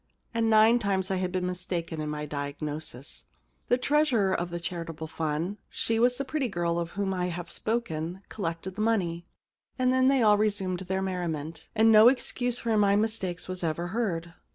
And nine times I had been mistaken in my diagnosis. The treasurer of the charitable fund — she was the pretty girl of whom I have spoken — collected the money. Then they all resumed their merriment, and no excuse for my mistakes was ever heard.